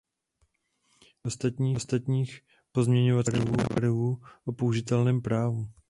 Ohledně ostatních pozměňovacích návrhů o použitelném právu.